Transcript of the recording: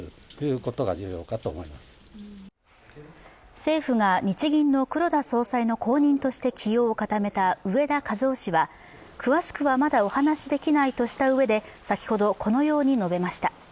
政府が日銀の黒田総裁の後任として起用を固めた植田和男氏は、詳しくはまだお話しできないとしたうえで先ほど、このように述べました。